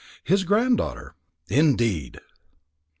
"His granddaughter." "Indeed!"